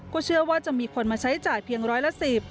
เชื่อว่าจะมีคนมาใช้จ่ายเพียงร้อยละ๑๐